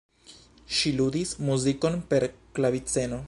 Ŝi ludis muzikon per klaviceno.